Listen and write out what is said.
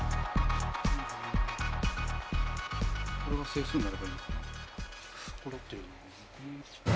これが整数になればいいんだな。